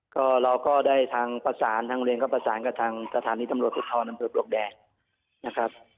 ก็เราก็ได้ทางประสานทางโรงเรียนก็ประสานกับทางสถานีตำรวจภูทรอำเภอปลวกแดงนะครับ